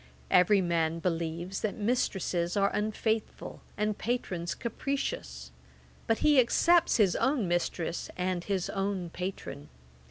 Every man believes that mistresses are unfaithful, and patrons capricious; but he excepts his own mistress, and his own patron.